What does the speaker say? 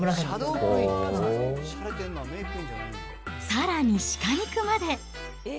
さらに鹿肉まで。